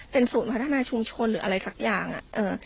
เป็นศูนย์พัฒนาชุมชนหรืออะไรสักอย่างอ่ะ